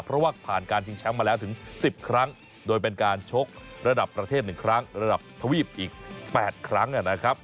เพราะว่าผ่านการชิงแชมป์มาแล้วถึง๑๐ครั้งโดยเป็นการชกระดับประเทศ๑ครั้งระดับทวีปอีก๘ครั้งนะครับ